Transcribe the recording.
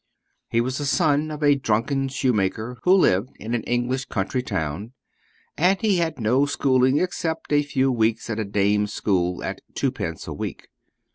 He was the son of a drunken shoemaker who lived in an English country town, and he had no schooling except a few weeks at a dame's school, at twopence a week.